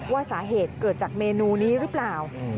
ว่าสาเหตุเกิดจากเมนูนี้หรือเปล่า